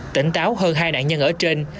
tỉnh táo hơn hai nạn nhân ở trên